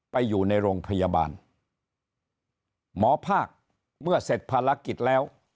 ไปอยู่ในโรงพยาบาลหมอภาคเมื่อเสร็จภารกิจแล้ว